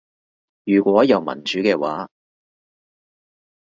如果有民主嘅話